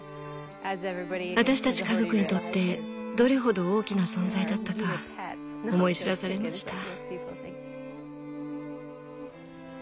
私たち家族にとってどれほど大きな存在だったか思い知らされました。